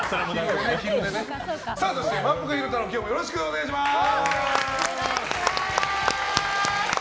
そして、まんぷく昼太郎今日もよろしくお願いします。